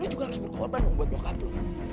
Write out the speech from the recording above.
lu juga lagi berkorban buat nyokap lu